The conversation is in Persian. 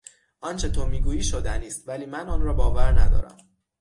آنچه تو میگویی شدنی است ولی من آن را باور ندارم.